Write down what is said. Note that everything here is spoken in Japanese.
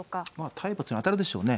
体罰に当たるでしょうね。